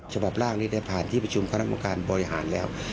ฉบาพล่างนี้ได้ผ่านที่ประชุมค่านักดำเนินการบริหารแล้ว